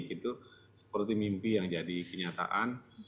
itu seperti mimpi yang jadi kenyataan